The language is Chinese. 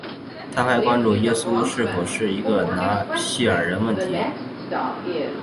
它还关注耶稣是否是一个拿细耳人问题。